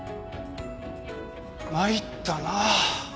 参ったな。